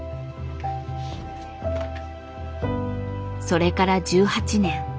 それから１８年。